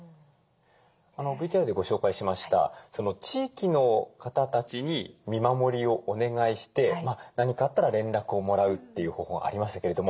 ＶＴＲでご紹介しました地域の方たちに見守りをお願いして何かあったら連絡をもらうという方法がありましたけれども。